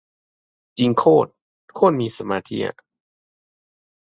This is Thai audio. จริงโคตร โคตรมีสมาธิอ่ะ